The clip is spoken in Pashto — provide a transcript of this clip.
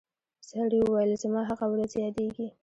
سړي وویل زما هغه ورځ یادیږي